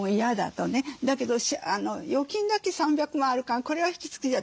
だけど預金だけ３００万あるからこれは引き継ぐよって。